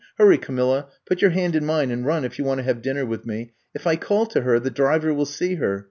Hurry, Camilla, put your hand in mine and run if you want to have dinner with me. If I call to her the driver will see her.